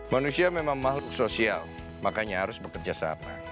manusia memang makhluk sosial makanya harus bekerja sama